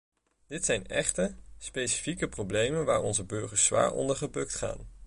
Dit zijn echte, specifieke problemen waar onze burgers zwaar onder gebukt gaan.